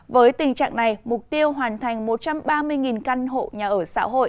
với tình trạng này mục tiêu hoàn thành một trăm ba mươi căn hộ nhà ở xã hội